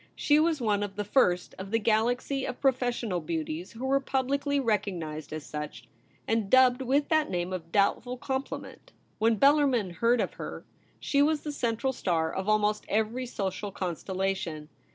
She was one of the first of the galaxy of pro fessional beauties who were publicly recognised as such, and dubbed with that name of doubt ful compliment. When Bellarmin heard of her, she was the central star of almost every social constellation.